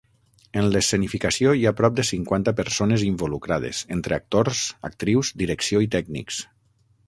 En l'escenificació, hi ha prop de cinquanta persones involucrades, entre actors, actrius, direcció i tècnics.